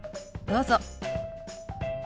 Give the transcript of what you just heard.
どうぞ。